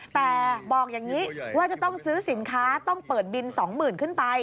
แต่บอกอย่างนี้ว่าจะต้องซื้อสินค้าต้องเปิดบิน๒๐๐๐ขึ้นไป